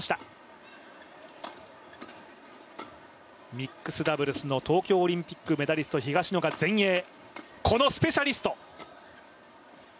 ミックスダブルスの東京オリンピックメダリストの東野が前衛、このスペシャリスト。